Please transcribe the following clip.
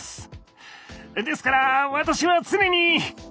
ですから私は常に。